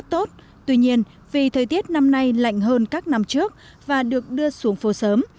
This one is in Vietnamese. tốt tuy nhiên vì thời tiết năm nay lạnh hơn các năm trước và được đưa xuống phố sớm